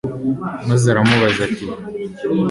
maze aramubaza ati